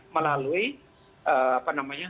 melalui apa namanya